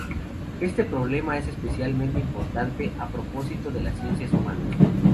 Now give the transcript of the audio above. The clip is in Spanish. Este problema es especialmente importante a propósito de las ciencias humanas.